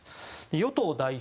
与党代表